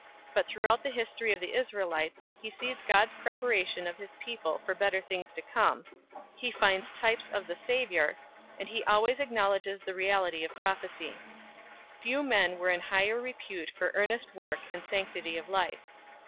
But through out the history of the Israelites he sees God s prepa ration of His people for better things to come, he finds types of the Saviour, and he always acknowledges the reality of prophecy 3 . Few men were in higher repute for earnest work and sanctity of life.